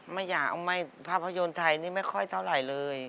ไม่อยากเอาไหมภาพยนตร์ไทยนี่ไม่ค่อยเท่าไหร่เลย